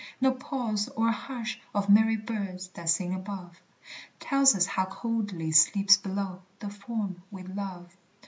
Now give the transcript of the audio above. No pause or hush of merry birds That sing above Tells us how coldly sleeps below The form we love.